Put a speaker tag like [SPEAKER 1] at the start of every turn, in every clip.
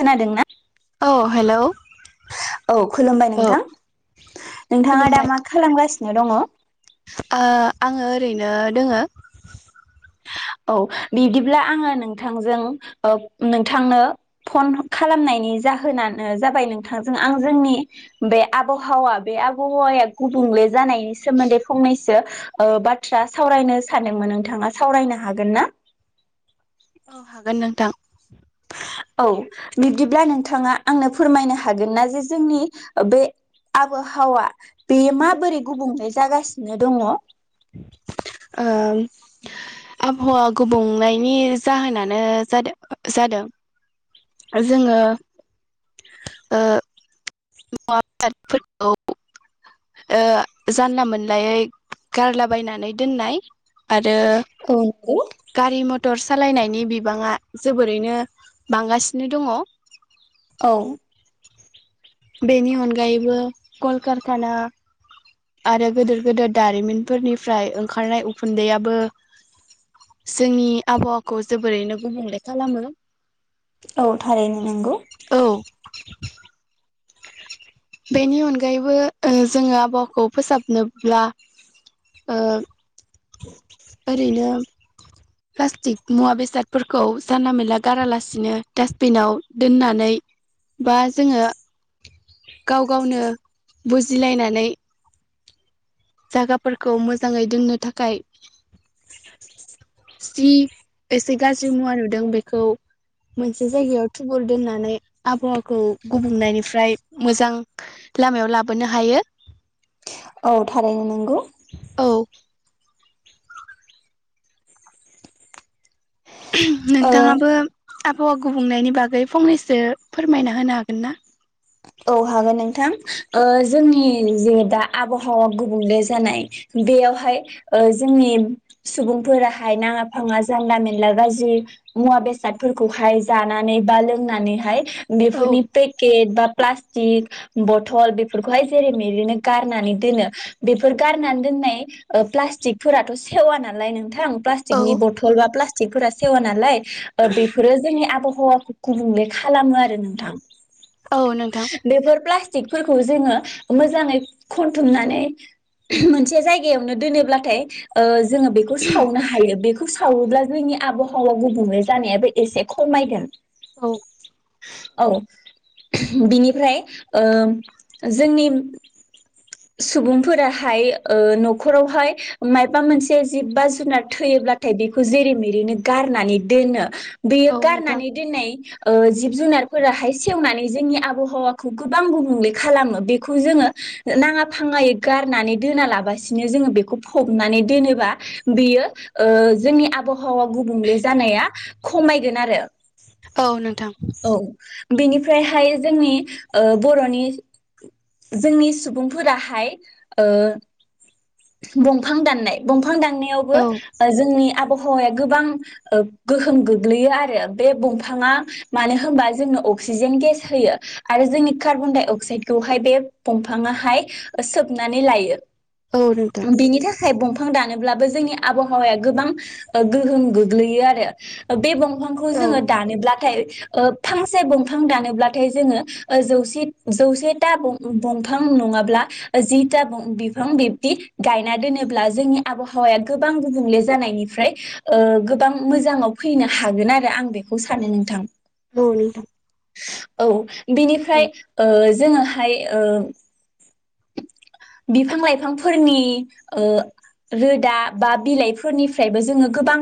[SPEAKER 1] खोनादोंना
[SPEAKER 2] औ हेलौ
[SPEAKER 1] औ खुलुमबाय
[SPEAKER 2] औ
[SPEAKER 1] नोंथां नोंथाङा दा
[SPEAKER 2] खुलुमबाय
[SPEAKER 1] मा खालामगासिनो दङ
[SPEAKER 2] ओ आङो ओरैनो दोङो
[SPEAKER 1] औ बिदिब्ला आङो नोंथांजों ओ नोंथांनो फन खालामनायनि जाहोनानो जाबाय नोंथांजों आं जोंनि बे आबहावा बे आबहावाया गुबुंले जानायनि सोमोन्दै फंनैसो ओ बाथ्रा सावरायनो सानदोंमोन नोंथाङा सावरायनो हा हागोन ना
[SPEAKER 2] औ हागोन [unintelligible]
[SPEAKER 1] औ बिब्दिब्ला नोंथाङा आंनो फोरमायनो हागोन ना जे जोंनि बे आबहावा बेयो माबोरै गुबुंले जागासिनो दङ
[SPEAKER 2] ओ आबहावा गुबुंनायनि जाहोनानो जादों जादों जोङो ओ [inaudible] ओ जानला मोनलायै गारलाबायनानै दोननाय आरो
[SPEAKER 1] नंगौ
[SPEAKER 2] गारि मटरस सालायनायनि बिबाङा जोबोरैनो बांगासिनो दङ
[SPEAKER 1] औ
[SPEAKER 2] बेनि अनगायैबो कलकारखाना आरो गोदिर गोेदेर दारिमिनफोरनिफ्राय ओंखारनाय उखुन्दैआबो जोंनि आबहावाखौ जोबोरैनो गुबुंले खालामो
[SPEAKER 1] औ थारैनो नोंगौ
[SPEAKER 2] औ बेनि अनगायैबो ओ जोङो आबहावाखौ फोसाबनोब्ला ओ
[SPEAKER 1] [inaudible]
[SPEAKER 2] ओरैनो प्लास्टिक मुवा बेसादफोरखौ जानला मेला गारालासिनो डास्टबिनाव दोननानै बा जोङो गाव गावनो बुजिलायनानै जागाफोरखौ मोजाङै दोननो थाखाय जि एसे गाज्रि मुवा नुदों बेखौ मोनसे जायगायाव थुबुर दोननानै आबहावाखौ गुबुंनायनिफ्राय मोजां लामायाव लाबोनो हायो
[SPEAKER 1] औ थारायनो नंगौ
[SPEAKER 2] औ
[SPEAKER 1] ओ
[SPEAKER 2] नोंथाङाबो आबहावा गुबुंनायनि बागै फंनैसो फोरमायना होनो हागोन ना
[SPEAKER 1] औ हागोन नोंथां ओ जोंनि जे दा आबहावा गुबुंले जानाय बेयावहाय ओ जोंनि सुबुंफोराहाय नाङा फाङा जानला मेनला गाज्रि मुवा बेसादफोरखौहाय जानानै बा लोंनानैहाय
[SPEAKER 2] औ
[SPEAKER 1] बिफोरनि पेकेट बा प्लास्टिक बथल बेफोरखौहाय जेरैमरैनो गारनानै दोनो बेफोर गारनानै दोननाय प्लास्टिकफोराथ' सेवा नालाय नोंथां प्लाक नि
[SPEAKER 2] औ
[SPEAKER 1] बथल बा प्ला थिगफोरा सेवा नालाय बेफोरो जोंनि आबौ हौवा गुबुंले खालामो आरो नोंथां
[SPEAKER 2] औ नोंथां
[SPEAKER 1] बेफोर प्लाटिक फोरखौ जोङो मोजाङै कनथुमनानै मोनसे जायगायाव नो दोनो बाथाइ ओ जोङो बेखौ सावनो हायो बे बेखौ सावोब्ला जोंनि आबहावा गुबदुंले जानायाबो एसे खमायगोन।
[SPEAKER 2] औ
[SPEAKER 1] औ बिनिफ्राय ओ जोंनि सुबुंफोराहाय ओ न'खरावहाय मायाबा मोनसे जिबबा जुनार थैयोब्लाथाय बेखौ जेरै मेरैनो गारनानै दोनो बेयो
[SPEAKER 2] औ नोंथां
[SPEAKER 1] गारनानै दोननाय ओ जिब जुनार फोराहाय सेवनानै जोंनि आबहावाखौ गोबां गुबुंले खालामो बेखौ जोङो नाङा फाङायै गारनानै दोना लाबसिनो जोङो बेखौ फबनानै दोनोबा बेयो जोंनिओ आबहावा गुबुंले जानाया खमायगोन आरो
[SPEAKER 2] औ नोंथां
[SPEAKER 1] औ बेनिफ्रायहाय जोंनि ओ बर'नि जोंनि सुबुंफोराहाय ओ दंफां दाननाय दं फां
[SPEAKER 2] औ
[SPEAKER 1] दान्ननायावबो जोंनि आब हावाया गोबां गोहोम गोग्लैयो आरो बे दंफाङा मानो होनबा जोंनो अक्सिजेन गेस होयो आरो जोंनि कार्बनडाइअक्साइदखौहाय बे दंफाङाहाय सोबनानै लायो
[SPEAKER 2] औ नोंथां
[SPEAKER 1] बिनिथाखाय बं फां दानोब्लाबो जोंनि आब'हावाया गोबां गोहोम गोग्लैयो आरो बे बंफांखौ
[SPEAKER 2] औ
[SPEAKER 1] जोङो दानोब्लाथाय ओ फांसे बंफां दानोब्लाथाय जोङो ओ जौसे जौसेथा बं बंफां नङाब्ला जिथा बं बिफां दि गायना दोनोब्ला जोंनि आब'हावाया गोबां गुबुंले जानायनिफ्राय ओ गोबां मोजाङाव फैनो हागोन आरो आं बेखौ सानो नोंथां
[SPEAKER 2] औ नोंथां
[SPEAKER 1] औ
[SPEAKER 2] औ
[SPEAKER 1] बिनिफ्राय ओ जोङोहाय ओ बिफां लाइफां फोरनि ओ रोदा बा बिलाइफोरनिफ्रायबो जोङो गोबां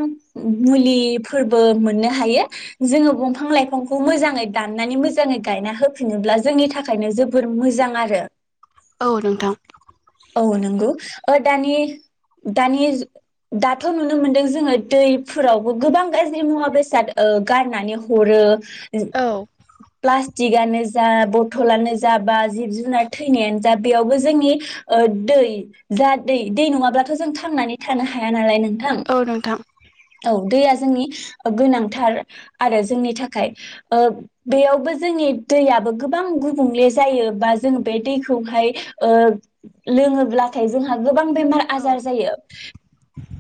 [SPEAKER 1] मुलिफोरबो मोननो हायो जोङो बंफां लाइफांखौ मोजाङै दाननानै मोजाङै गायना होफिनोब्ला जोंनि थाखायनो जोबोर मोजां आरो।
[SPEAKER 2] औ नोंथां
[SPEAKER 1] औ नंगौ ओ दानि दानि दाथ' नुनो मोनदों जोङो दैफोरावबो गोबां गाज्रि मुवा बेसाद ओ गारनानै हरो।
[SPEAKER 2] औ
[SPEAKER 1] प्ला तिगानो जा बथलानो जा बा जिब जुनार थैनायानो जा बेयावबो जोंनि ओ दै जा दै दै नङाब्लाथ' जों थांनानै थानो हाया नालाय नों
[SPEAKER 2] औ नोंथां
[SPEAKER 1] औ दैया जोंनि गोनांथार आरो जोंनि थाखाय ओ बेयावबो जोंनि दैयाबो गोबां गुबुंले जायो बा जों बे दैखौहाय ओ लोङोब्लाथाय जोंहा गोबां बेमार
[SPEAKER 2] औ
[SPEAKER 1] आजार जायो।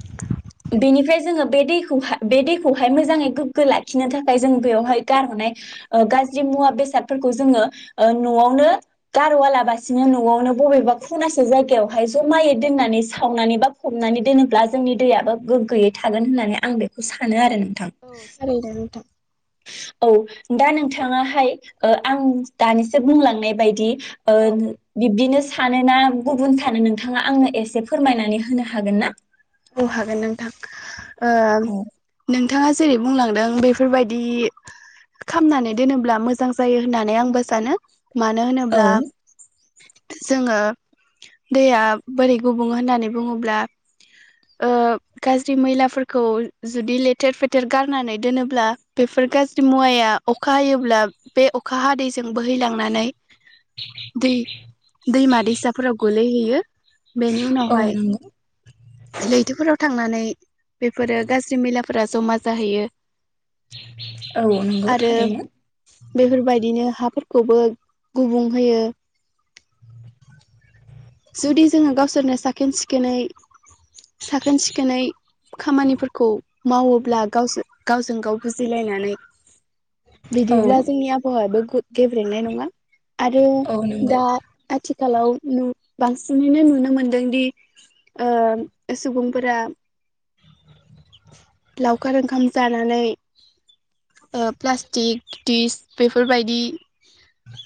[SPEAKER 2] [unintelligible]
[SPEAKER 1] बेनिफ्राय जोङो बे दैखौहा बे दैखौहाय मोजाङै गोग्गो लाखिनो थाखाय जों बेवहाय गारहरनाय गाज्रि मुवा बेसादफोरखौ जोङो ओ न'आवनो गारबोआलासिनो न'आवनो बबेबा खनासे जायगायावहाय जमायै दोननानै सावनानै बा फबनानै दोनोब्ला जोंनि दैयाबो गोग्गोयै थागोन होननानै आं बेखौ सानो आरो नों
[SPEAKER 2] औ थारैनो नोंथां
[SPEAKER 1] औ दा नोंथाङाहाय ओ आं दानिसो बुंलांनाय बायदि ओ
[SPEAKER 2] औ
[SPEAKER 1] बिब्दिनो सानो ना गुबुन सानो नोंथाङा आंनो एसे फोरमायनानै होनो हागोन ना?
[SPEAKER 2] औ हागोन नोंथां ओ
[SPEAKER 1] औ
[SPEAKER 2] नोंथाङा जेरै बुंलांदों बेफोरबायदि खामनानै दोनोब्ला मोजां जायो होननानै आंबो सानो मानो
[SPEAKER 1] औ
[SPEAKER 2] होनोब्ला जोङो दैया बोरै गुबुं होननानै बुङोब्ला ओ गाज्रि मैलाफोरखौ जुदि लेथेर फेथेर गारनानै दोनोब्ला बेफोर गाज्रि मुवाया अखा हायोब्ला बे अखा हादैजों बोहैलांनानै दै दैमा दैसाफोराव ग लैहैयो बेनि
[SPEAKER 1] औ
[SPEAKER 2] उनावहाय
[SPEAKER 1] नंगौ
[SPEAKER 2] लैथोफोराव थांनानै बेफोरो गाज्रि मैलाफोरा जमा जाहैयो।
[SPEAKER 1] औ नंगौ थारैनो।
[SPEAKER 2] बेफोर बायदिनो हाफोरखौबो गुबुं होयो। जुदि जोङो गावसोरनो साखोन सिखोनै साखोन सिखोनै खामानिफोरखौ मावोब्ला गाव गावजों गाव बुजिलायनानै।
[SPEAKER 1] औ
[SPEAKER 2] बिदिब्ला जोंनि आबहावायाबो गेब्रेंनाय नङा। आरो
[SPEAKER 1] औ नंगौ
[SPEAKER 2] दा आथि आथिखालाव नु बांसिनैनो नुनो मोनदों दि ओ सुबुंफोरा लावखार ओंखाम जानानै प्लास्टिक दिस बेफोर बायदि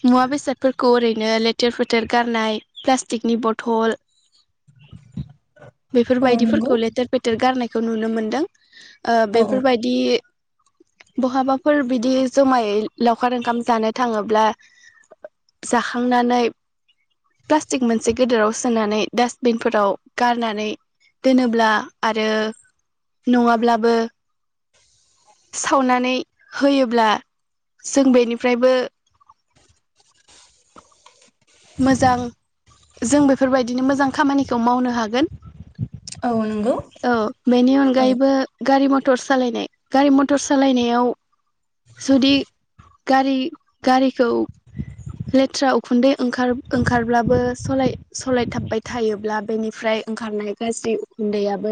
[SPEAKER 2] मुवा बेसादफोरखौ ओरैनो लेथेर फोथेर गारनाय प्लास्टिकनि बथल बेफोर
[SPEAKER 1] औ नंगौ
[SPEAKER 2] बायदिफोरखौ लेथेर फेथेर गारनाय खो नुनो मोन्दों। ओ
[SPEAKER 1] औ
[SPEAKER 2] बेफोर बायदि बहाबाफोर बिदि जमायै लावखार ओंखाम जानो थाङोब्ला जाखांनानै प्लास्टिक मोनसे गिदिराव सोनानै डास्टबिनफोराव गारनानै दोनोब्ला आरो नङाब्लाबो सावनानै होयोब्ला जों बेनिफ्रायबो मोजां जों बेफोर बायदिनो मोजां खामानिखौ मावनो हागोन।
[SPEAKER 1] औ नंगौ
[SPEAKER 2] औ बेनि
[SPEAKER 1] औ
[SPEAKER 2] अनगायैबो गारि मथ मटर सालायनाय गारि मटर सालायनायाव जुदि गारि गारिखौ लेथ्रा उखुन्दै ओंखार-ओंखारब्लाबो सलाय-सलायथाबबाय थायोब्ला बेनिफ्राय ओंखारनाय गाज्रि उखुन्दैआ बो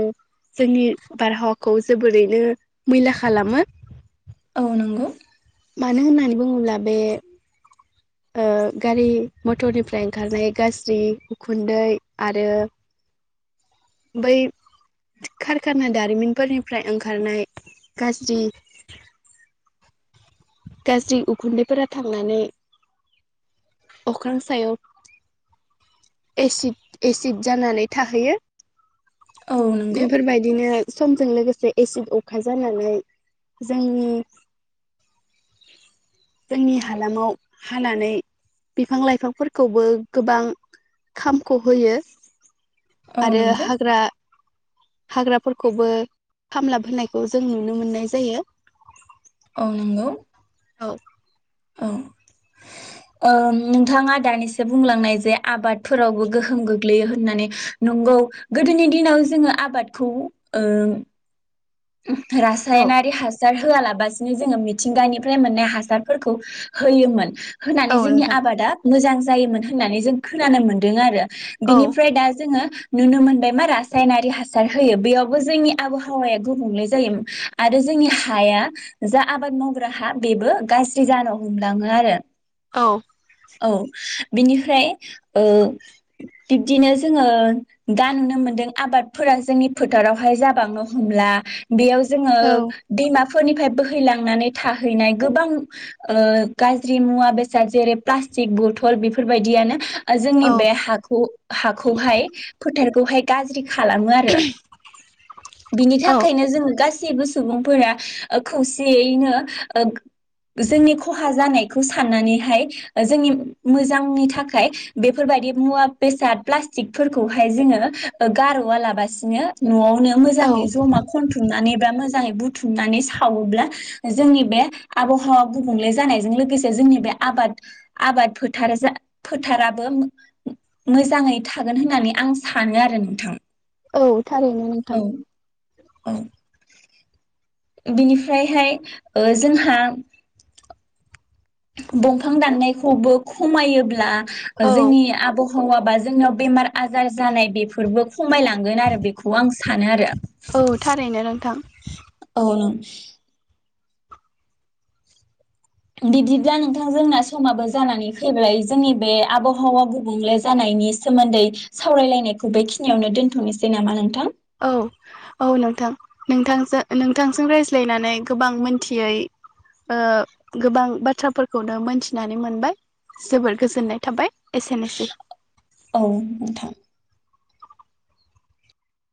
[SPEAKER 2] जोंनि बारहावाखौ जोबोरैनो मैला खालामो।
[SPEAKER 1] औ नंगौ।
[SPEAKER 2] मानो होननानै बुङोब्ला बे ओ गारि मथरनिफ्राय ओंखारनाय गाज्रि उखुन्दै आरो बै कारखाना दारिमिनफोरनिफ्राय ओंखारनाय गाज्रि गाज्रि उखुन्दैफोरा थांनानै अख्रां सायाव एसिद एसिड जानानै थाहैयो।
[SPEAKER 1] औ नंगौ
[SPEAKER 2] बेफोर बायदिनो समजों लोगोसे एसिड अखा जानानै जोंनि जोंनि हालामाव हानानै बिफां लाइफांफोरखौबो गोबां खामख' होयो।
[SPEAKER 1] औ
[SPEAKER 2] आरो
[SPEAKER 1] नंगौ
[SPEAKER 2] हाग्रा हाग्राफोरखौबो खामलाब होनायखौ जों नुनो मोननाय जायो। [inaudible]
[SPEAKER 1] ओं, ओ नोंथाङा दानिसो बुंलांनाय जे आबादफोरावबो गोहोम गोग्लैयो होननानै। नंगौ गोदोनि दिनाव जोङो आबादखौ ओ उमह
[SPEAKER 2] औ
[SPEAKER 1] रासायनारि हासा हासार होआलाबसिनो जोङो मिथिंगानिफ्राय मोननाय हासारफोरखौ होयोमोन।
[SPEAKER 2] औ
[SPEAKER 1] होनानै जोंनि
[SPEAKER 2] नोंथां
[SPEAKER 1] आबादा मोजां जायोमोन होननानै जों खोनानो मोन्दों आरो।
[SPEAKER 2] औ
[SPEAKER 1] बिनिफ्राय दा जोङो नुनो मोनबाय मा रासायनारि हासार होयो। बेयावबो जोंनि आबहावाया गुबुंले जायो आरो जोंनि हाया जा आबाद मावग्रा हा बेबो गाज्रि जानो हमलाङो आरो।
[SPEAKER 2] औ।
[SPEAKER 1] औ बिनिफ्राय ओ बिब्दिनो जोङो दा नुनो मोनदों आबादफोरा जोंनि फोथारावहाय जाबांनो हमला बेयाव जोङो दैमा फोरनिफ्राय बोहैलांनानै थाहैनाय गोबां ओ गाज्रि मुवा बेसाद जेरै प्लास्टिक बथल बेफोरबायदियानो जोंनि
[SPEAKER 2] औ
[SPEAKER 1] बे हाखौ हाखौहाय फोथार खौहाय गाज्रि खालामो आरो बिनि थाख
[SPEAKER 2] औ
[SPEAKER 1] जोङो गासिबो सुबुंफोरा ओ खौसेयैनो ओ जोंनि खहा जानाय खौ साननानैहाय जोंनि मोजांनि थाखाय बेफोरबायदि मुवा बेसाद प्लास्टिकफोरखौहाय जोङो गार'वालाबासिनो न'आव नो
[SPEAKER 2] औ
[SPEAKER 1] मोजाङै जमा खनथुमनानै बा मोजाङै बुथुमनानै सावोब्ला जोंनि बे आबहावा गुबुंले जानायजों लोगोसे जोंनि बे आबाद आबाद फोथारा फोथाराबो मो-मोजाङै थागोन होननानै आं सानो आरो नोंथां।
[SPEAKER 2] औ थारैनो नोंथां।
[SPEAKER 1] ओं। बिनिफ्रायहाय जोंहा दंफां दाननाय हबोब खमायोब्ला।
[SPEAKER 2] औ
[SPEAKER 1] जोंनि आब' हौवाबा जोंनाव बेमार आजार जानाय बेफोरबो खमायलांगोन आरो बेखौ आं सानो आरो।
[SPEAKER 2] औ थारैनो नोंथां
[SPEAKER 1] औ नों बिदिब्ला नोंथां जोंना समाबो जानानै फैबाय जोंनि बे आब'हावा गुबुंले जानायनि सोमोन्दै सावरायलायनायखौ बेखिनियावनो दोनथ'नोसै नामा नोंथां?
[SPEAKER 2] औ औ नोंथां। नोंथांजो नोंथांजों रायज्लायनानै गोबां मोनथियै गोबां बाथ्राफोरखौनो मोनथिनानै मोनबाय। जोबोर गोजोननाय थाबाय एसेनोसै।
[SPEAKER 1] औ नोंथां।